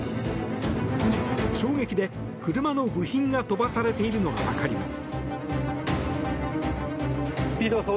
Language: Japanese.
衝撃で車の部品が飛ばされているのがわかります。